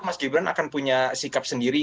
mas gibran akan punya sikap sendiri